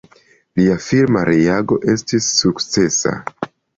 Lia firma reago estis sukcesa.